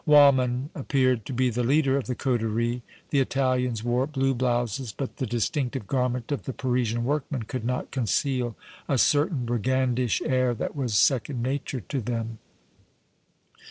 Waldmann appeared to be the leader of the coterie. The Italians wore blue blouses, but the distinctive garment of the Parisian workman could not conceal a certain brigandish air that was second nature to them.